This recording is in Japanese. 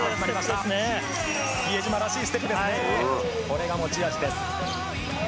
これが持ち味です。